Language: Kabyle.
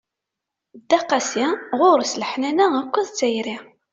Dda qasi, ɣur-s leḥnana akked tayri.